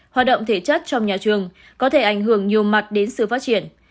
hoạt động thể chất trong nhà trường có thể ảnh hưởng nhiều mặt đến sự phát triển